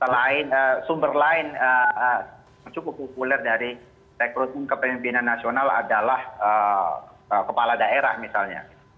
selain sumber lain yang cukup populer dari rekrutmen kepemimpinan nasional adalah kepala daerah misalnya